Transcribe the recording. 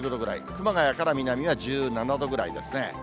熊谷から南は１７度ぐらいですね。